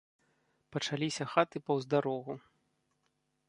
Пачаліся хаты паўз дарогу.